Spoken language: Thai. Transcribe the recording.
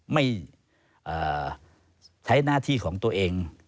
ไม่ใช้หน้าที่ของตัวเอง